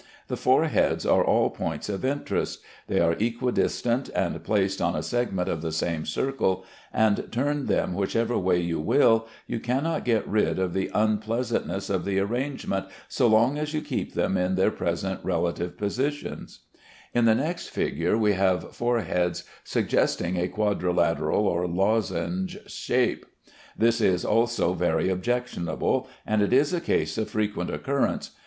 The four heads are all points of interest. They are equidistant, and placed on a segment of the same circle, and, turn them whichever way you will, you cannot get rid of the unpleasantness of the arrangement, so long as you keep them in their present relative positions. In the next figure we have four heads suggesting a quadrilateral of lozenge shape. This is also very objectionable, and it is a case of frequent occurrence.